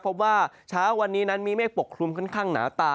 พบว่าเช้าวันนี้นั้นมีเมฆปกคลุมค่อนข้างหนาตา